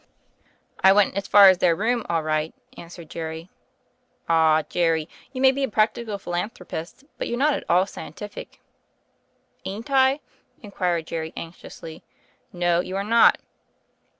"I went as far as their room all right," an swered Jerry. "Ah, Jerry, you may be a practical philan thropist; but you're not at all scientific." "Ain't I?" inquired Jerry anxiously. "No; you are not."